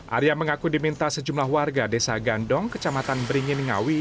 arya mengaku diminta sejumlah warga desa gandong kecamatan beringin ngawi